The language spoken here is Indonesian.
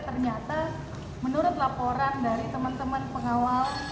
ternyata menurut laporan dari teman teman pengawal